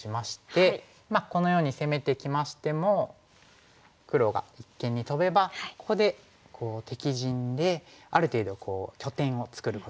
まあこのように攻めてきましても黒が一間にトベばここで敵陣である程度拠点を作ることができますよね。